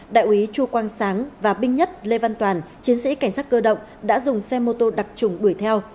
đại úy chu quang sáng và binh nhất lê văn toàn chiến sĩ cảnh sát cơ động đã dùng xe mô tô đặc trùng đuổi theo